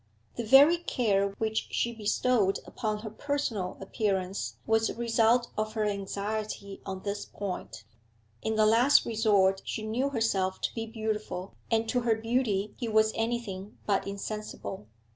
The very care which she bestowed upon her personal appearance was a result of her anxiety on this point; in the last resort she knew herself to be beautiful, and to her beauty he was anything but insensible.